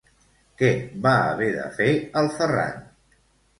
Què va haver de fer el Ferràn?